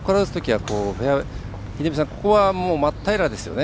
ここは真っ平らですよね。